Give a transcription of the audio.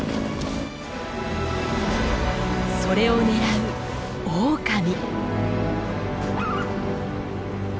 それを狙うオオカミ。